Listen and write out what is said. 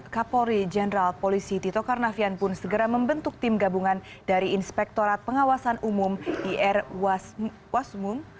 kapolri jenderal polisi tito karnavian pun segera membentuk tim gabungan dari inspektorat pengawasan umum ir wasmum